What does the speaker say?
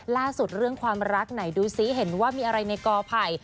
เรื่องความรักไหนดูซิเห็นว่ามีอะไรในกอไผ่